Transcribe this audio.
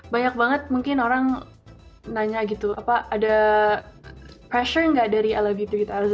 banyak banget mungkin orang nanya gitu apa ada tekanan gak dari i love you tiga ribu